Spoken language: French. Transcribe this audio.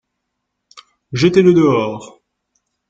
Jetez-le dehors.